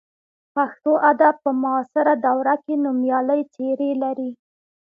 پښتو ادب په معاصره دوره کې نومیالۍ څېرې لري.